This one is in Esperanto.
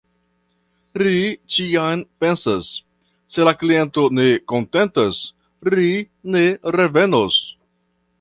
Ri ĉiam pensas "Se la kliento ne kontentas, ri ne revenos".